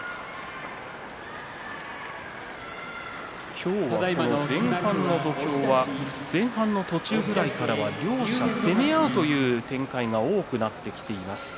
今日はこの前半の土俵は前半の途中ぐらいからは両者、攻め合うという展開が多くなってきてます。